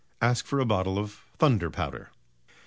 Ask for a Bottle of Thunder Powder."